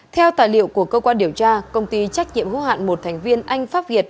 theo tài liệu của cơ quan điều tra công ty trách nhiệm hữu hạn một thành viên anh pháp việt